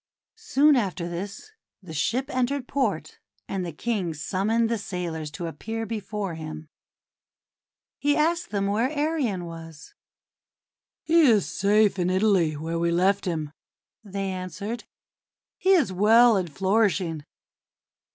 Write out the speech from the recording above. Soon after this, the ship entered port, and the King summoned the sailors to appear before him. He asked them where Arion was. 234 THE WONDER GARDEN 'He is safe in Italy, where we left him," they answered. "He is well and flourishing."